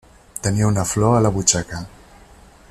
Tenia una flor a la butxaca.